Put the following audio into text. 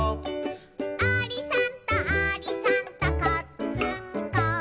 「ありさんとありさんとこっつんこ」